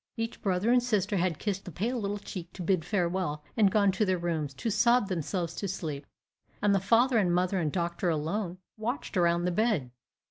Each brother and sister had kissed the pale little cheek, to bid farewell, and gone to their rooms, to sob themselves to sleep; and the father and mother and doctor alone watched around the bed.